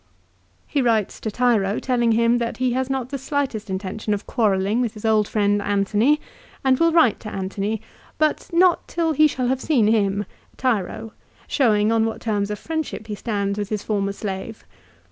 He writes to Tiro telling him that he has not the slightest intention of quarrelling with his old friend Antony, and will write Jx> Antony ; but not till he shall have seen him, Tiro ; showing on what terms of friendship he stands with his former slave.